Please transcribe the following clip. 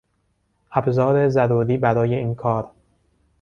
ابزار ضروری برای این کار